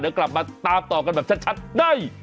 เดี๋ยวกลับมาตามต่อกันแบบชัดได้